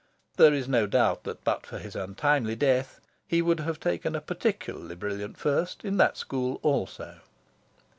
There is no doubt that but for his untimely death he would have taken a particularly brilliant First in that school also.